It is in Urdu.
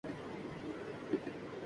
یہی ہے آزمانا‘ تو ستانا کس کو کہتے ہیں!